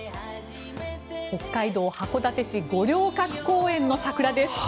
北海道函館市五稜郭公園の桜です。